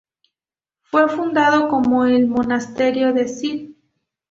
Fue fundado como el Monasterio de St.